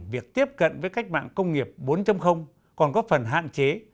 việc tiếp cận với cách mạng công nghiệp bốn còn có phần hạn chế